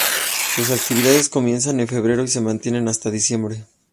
Sus actividades comienzan en febrero y se mantienen hasta diciembre.